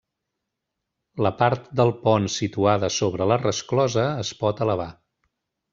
La part del pont situada sobre la resclosa es pot elevar.